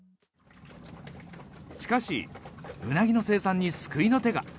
しかし、ウナギの生産に救いの手が。